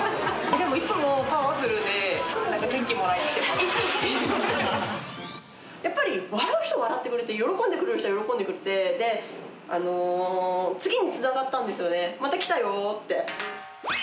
でもいつもパワフルで、やっぱり、笑う人は笑ってくれて、喜んでくれる人は喜んでくれて、次につながったんですよね、また来たよって。